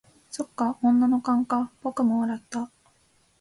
「そっか、女の勘か」僕も笑った。